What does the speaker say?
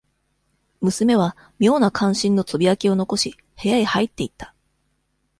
娘は、妙な関心のつぶやきを残し、部屋へ入っていった。